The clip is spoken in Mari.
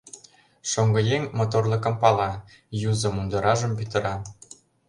Шоҥгыеҥ моторлыкым пала — Юзо мундыражым пӱтыра.